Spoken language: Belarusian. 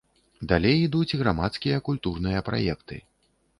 Далей ідуць грамадскія, культурныя праекты.